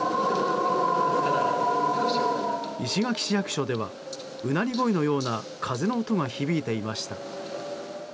石垣市役所ではうなり声のような風の音が響いていました。